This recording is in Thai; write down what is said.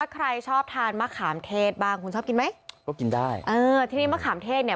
ใครชอบทานมะขามเทศบ้างคุณชอบกินไหมก็กินได้เออทีนี้มะขามเทศเนี่ย